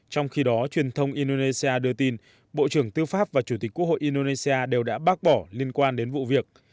trong khi đó truyền thông indonesia đưa tin bộ trưởng tư pháp và chủ tịch quốc hội indonesia đều đã bác bỏ liên quan đến vụ việc